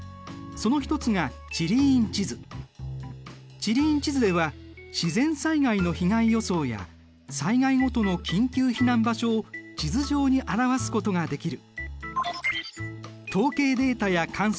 地理院地図では自然災害の被害予想や災害ごとの緊急避難場所を地図上に表すことができる。